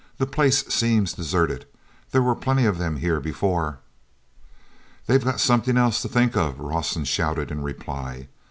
The place seems deserted—there were plenty of them here before!" "They've got something else to think of," Rawson shouted in reply.